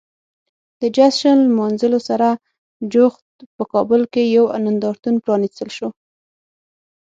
د جشن لمانځلو سره جوخت په کابل کې یو نندارتون پرانیستل شو.